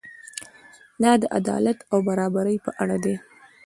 دا د عدالت او برابرۍ په اړه دی.